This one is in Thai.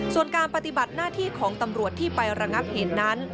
ส่วนการปฏิบัติหน้าที่ของตำรวจที่ไประงับเหตุนั้น